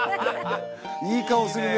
いい顔するね。